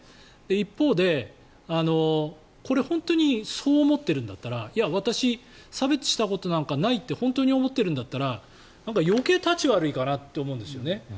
一方で、これ本当にそう思っているんだったら私、差別したことなんかないって本当に思っているんだったら余計にたちが悪いかなって思うんですよね。